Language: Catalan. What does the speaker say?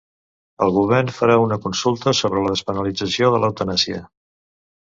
El govern farà una consulta sobre la despenalització de l'eutanàsia